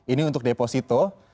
ini untuk deposito